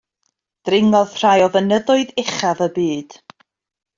Dringodd rhai o fynyddoedd uchaf y byd.